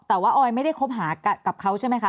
แต่ว่าออยไม่ได้คบหากับเขาใช่ไหมคะ